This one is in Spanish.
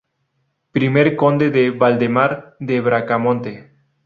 Primer Conde de Valdemar de Bracamonte.